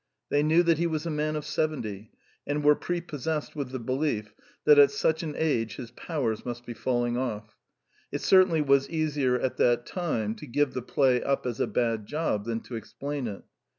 They knew that he was a man of seventy, and were prepossessed with the belief that at such an age his powers must be falling off. It certainly was easier at that time to give the play up as a bad job than to explain it.